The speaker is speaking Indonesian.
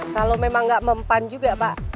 kalo memang gak mempan juga pak